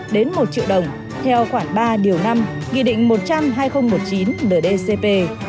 đến một triệu đồng theo khoảng ba điều năm nghị định một trăm linh hai nghìn một mươi chín ndcp